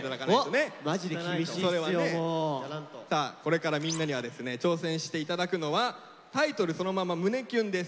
さあこれからみんなにはですね挑戦して頂くのはタイトルそのまま「胸キュン」です。